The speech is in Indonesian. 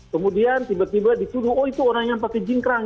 kemudian tiba tiba disuruh oh itu orang yang pakai jingkrang